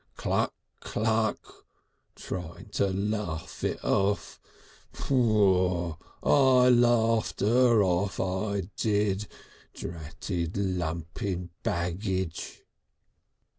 Cluck! cluck! Trying to laugh it off. I laughed 'er off, I did. Dratted lumpin baggage!..."